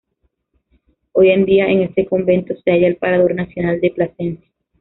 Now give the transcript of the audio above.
Hoy en día en este convento se halla el Parador Nacional de Plasencia.